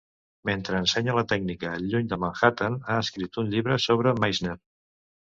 Mentre ensenya la tècnica lluny de Manhattan, ha escrit un llibre sobre Meisner.